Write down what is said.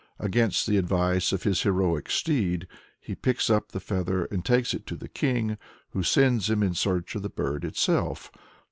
Against the advice of his "heroic steed," he picks up the feather and takes it to the king, who sends him in search of the bird itself.